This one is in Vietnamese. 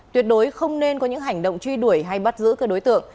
tuyệt đối không nên có những hành động truy đuổi hay bắt giữ các đối tượng